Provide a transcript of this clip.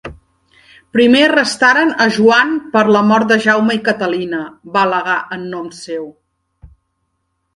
Primer arrestaren a Joan per la mort de Jaume i Catalina va al·legar en nom seu.